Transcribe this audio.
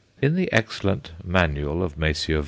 In the excellent "Manual" of Messrs.